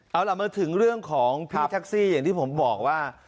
เอาล่ะมาถึงเรื่องของพี่แท็กซี่อย่างที่ผมบอกว่า